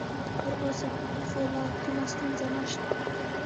تر اوسه خو لا کومه ستونزه نشته.